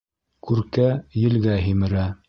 Күркә елгә һимерә.